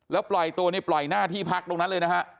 แล้วปล่อยตัวนี่ปล่อยหน้าที่พักตรงนั้นเลยนะฮะ